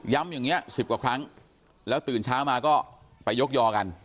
อย่างนี้๑๐กว่าครั้งแล้วตื่นเช้ามาก็ไปยกยอกัน